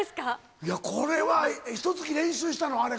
これは、ひとつき練習したの？